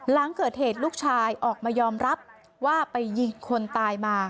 หลังเกิดเหตุลูกชายออกมายอมรับว่าไปยิงคนตายมา